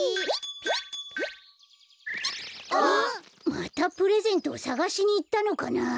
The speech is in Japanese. またプレゼントをさがしにいったのかな？